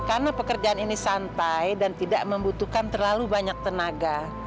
karena pekerjaan ini santai dan tidak membutuhkan terlalu banyak tenaga